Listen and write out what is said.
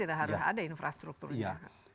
kita harus ada infrastrukturnya